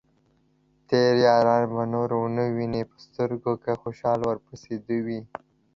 تېر ياران به نور ؤنه وينې په سترګو ، که خوشال ورپسې دوې